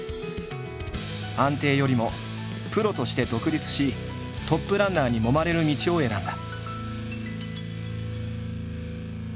安定よりもプロとして独立しトップランナーに揉まれる道を選んだ。